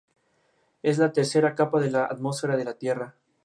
Tras la quiebra y refundación, el club perdió todo su patrimonio.